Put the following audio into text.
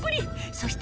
そして